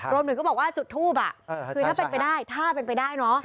รวมถึงก็บอกว่าจุดทูบคือถ้าเป็นไปได้ถ้าเป็นไปได้เนอะ